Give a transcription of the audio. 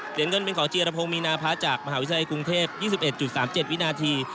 เหรียญเงินเป็นของชิลพงศ์มีนาภาจากมหาวิทยาลัยกรุงเทพยี่สิบเอ็ดจุดสามเจ็ดวินาที